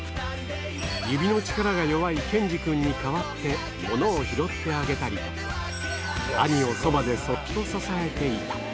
指の力が弱いケンジくんに代わって、物を拾ってあげたり、兄をそばでそっと支えていた。